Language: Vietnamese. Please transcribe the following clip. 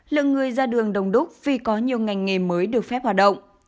lượng người ra đường đồng đúc vì có nhiều ngành nghề mới được phép hoạt động